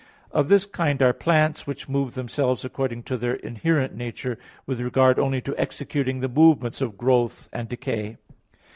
Of this kind are plants, which move themselves according to their inherent nature, with regard only to executing the movements of growth and decay.